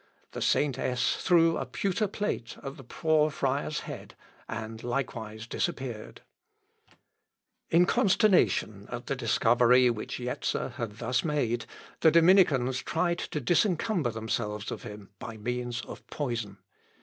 The saintess threw a pewter plate at the poor friar's head, and likewise disappeared. [Sidenote: ZUINGLIUS AT VIENNA AND BALE.] In consternation at the discovery which Jetzer had thus made, the Dominicans tried to disencumber themselves of him by means of poison.